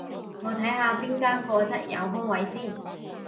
我睇下邊間課室有空位先